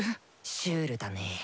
シュールだね。